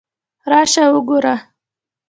راشه وګوره!